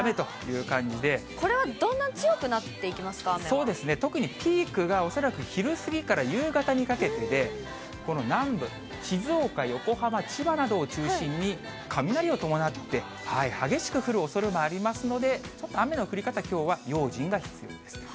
これはだんだん強くなっていそうですね、特にピークが恐らく昼過ぎから夕方にかけてで、この南部、静岡、横浜、千葉などを中心に、雷を伴って、激しく降るおそれもありますので、ちょっと雨の降り方、きょうは用心が必要です。